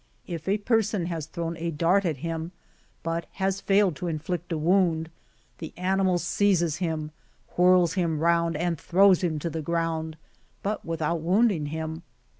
If a person has thrown a dart at him, but has failed to inflict a wound, the animal seizes him, whirls him round and throws him to the ground, but without wounding him.